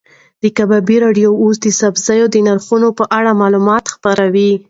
د کبابي راډیو اوس د سبزیجاتو د نرخونو په اړه معلومات خپروي.